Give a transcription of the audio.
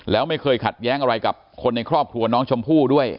แล้วไม่เคยขัดแย้งอะไรกับคนในครอบครัวน้องชมพู่ด้วย